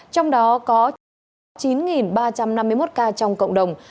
trong đó có trên chín ba trăm năm mươi một ca trong cộng đồng